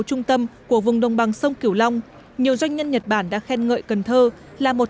trung tâm của vùng đồng bằng sông kiểu long nhiều doanh nhân nhật bản đã khen ngợi cần thơ là một